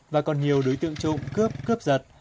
và còn nhiều đối tượng trộm cướp cướp giật